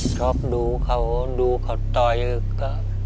ช็อกดูเขาดูเขาต่อยก็